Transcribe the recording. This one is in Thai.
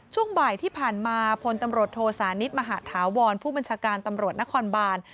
ช่วงบ่ายที่ผ่านมาพลตำรวจโทสานิทมหาธาวรผู้บัญชาการตำรวจนครบาน